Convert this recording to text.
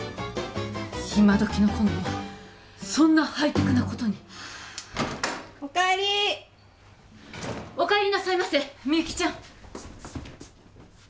今時のコンロはそんなハイテクなことにお帰りーお帰りなさいませみゆきちゃん